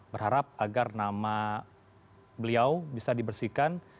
berharap agar nama beliau bisa dibersihkan